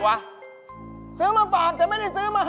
อ้าวพร้อมยังหรือ